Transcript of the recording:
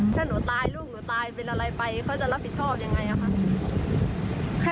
ถ้าหนูตายลูกหนูตายเป็นอะไรไปเขาจะรับผิดชอบยังไงคะ